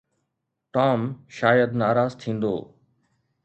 Tom شايد ناراض ٿيندو.